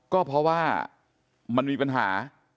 ก็เพราะว่ามันมีปัญหา